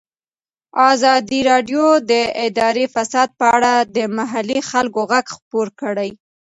ازادي راډیو د اداري فساد په اړه د محلي خلکو غږ خپور کړی.